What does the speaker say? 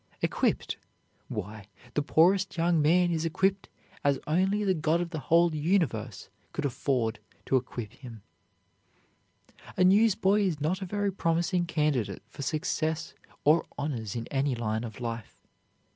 Equipped? Why, the poorest young man is equipped as only the God of the whole universe could afford to equip him." A newsboy is not a very promising candidate for success or honors in any line of life.